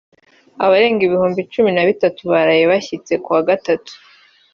Abarenga ibihumbi cumi na bitatu baraye bashitse kuwa gatatu